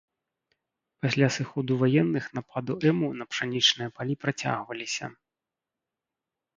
Пасля сыходу ваенных нападу эму на пшанічныя палі працягваліся.